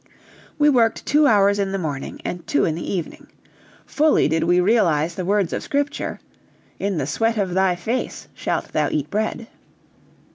We worked two hours in the morning and two in the evening. Fully did we realize the words of Scripture: "In the sweat of thy face shalt thou eat bread."